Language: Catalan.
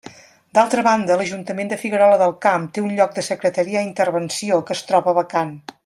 D'altra banda, l'Ajuntament de Figuerola del Camp té un lloc de secretaria intervenció que es troba vacant.